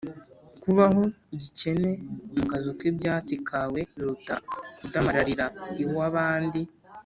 Kubaho gikene mu kazu k’ibyatsi kawe, biruta kudamararira iw’abandi.